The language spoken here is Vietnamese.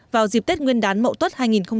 vào dịp tết nguyên đán mậu tuất hai nghìn một mươi tám